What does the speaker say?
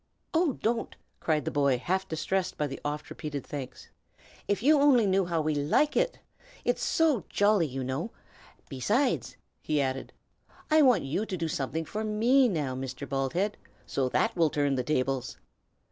"Oh, don't!" cried the boy, half distressed by the oft repeated thanks. "If you only knew how we like it! It's so jolly, you know. Besides," he added, "I want you to do something for me now, Mr. Baldhead, so that will turn the tables.